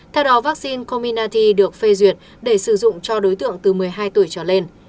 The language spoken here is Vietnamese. theo đó vaccine comminati được phê duyệt để sử dụng cho đối tượng từ một mươi hai tuổi trở lên